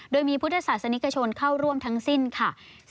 โดยมีพุทธศาสนิกชนเข้าร่วมทั้งสิ้นค่ะ